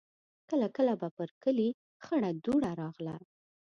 کله کله به پر کلي خړه دوړه راغله.